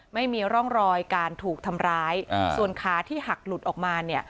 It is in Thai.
ไม่มีร่องรอยการถูกทำร้ายส่วนขาที่หักหลุดออกมาเนี่ย